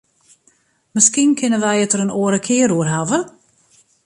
Miskien kinne wy it der in oare kear oer hawwe.